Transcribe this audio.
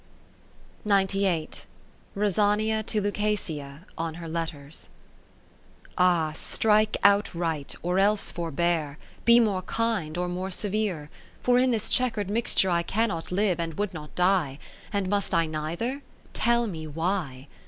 30 Rosania to Lucasia on her Letters Ah ! strike outright, or else forbear ; Be more kind, or more severe ; For in this chequer'd mixture I Cannot live, and would not die : And must I neither ? Tell me why.